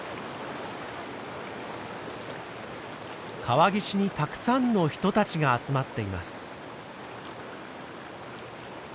川岸にたくさんの人たちが集まっています。